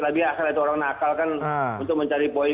tapi akhirnya itu orang nakal kan untuk mencari poin